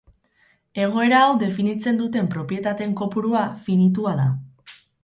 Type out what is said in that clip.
Egoera hau definitzen duten propietateen kopurua finitua da.